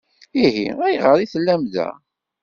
Ihi ayɣer i tellam da?